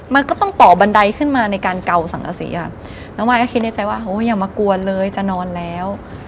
มันก็ต้องต่อบันไดขึ้นมาในการเกาสังกษีอ่ะน้องมายก็คิดในใจว่าโหอย่ามากลัวเลยจะนอนแล้ว